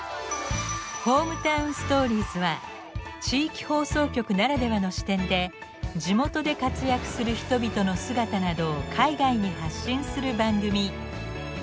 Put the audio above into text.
「ＨｏｍｅｔｏｗｎＳｔｏｒｉｅｓ」は地域放送局ならではの視点で地元で活躍する人々の姿などを海外に発信する番組。